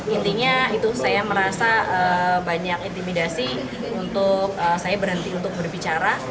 intinya itu saya merasa banyak intimidasi untuk saya berhenti untuk berbicara